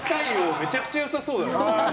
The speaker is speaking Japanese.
めちゃくちゃ良さそうだな。